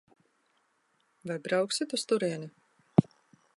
Vai brauksit uz turieni?